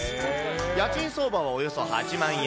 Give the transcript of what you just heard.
家賃相場はおよそ８万円。